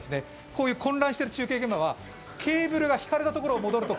こういう混乱している中継現場はケーブルがひかれたところを戻ると